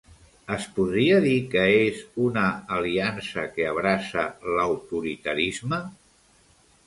Es podria dir que és una aliança que abraça l'autoritarisme?